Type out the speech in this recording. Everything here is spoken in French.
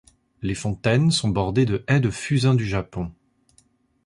Les fontaines sont bordées de haies de fusains du Japon.